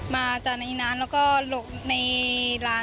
มาจากในนั้นแล้วก็หลบในร้าน